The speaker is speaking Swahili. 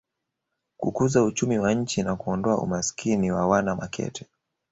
kukuza uchumi wa nchi na kuondoa umasikini wa wana Makete